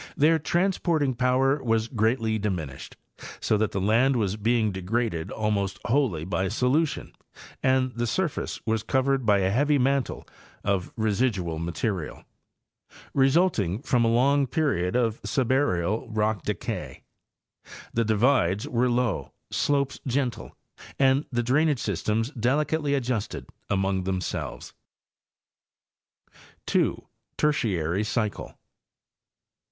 Their transporting power was greatly diminished,.so that the land was being degraded almost wholly by solution and the surface was covered by a heavy mantle of residual material, Drainage Conditions. 105 resulting from a long period of subaeial rock decay. The divides were low, slopes gentle, and' the drainage systems delicately adjusted among themselves. 2.—TERTIARY CYCLE.